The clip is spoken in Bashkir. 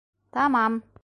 Тамам.